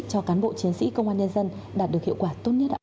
cho cán bộ chiến sĩ công an nhân dân đạt được hiệu quả tốt nhất ạ